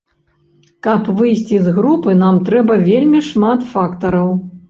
Каб выйсці з групы, нам трэба вельмі шмат фактараў.